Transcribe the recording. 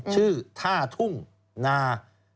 ชื่อท่าทุ่งนา